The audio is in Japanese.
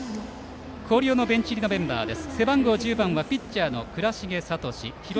広陵のベンチ入りメンバーです。